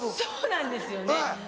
そうなんですよね。